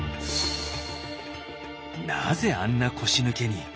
「なぜあんな腰抜けに」。